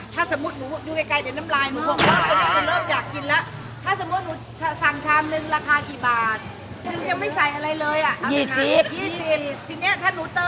ถ้าสมมุติหนูหรือสั่งชามราคากี่บาท